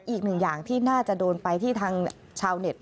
อีกหนึ่งอย่างที่น่าจะโดนไปที่ทางชาวเน็ต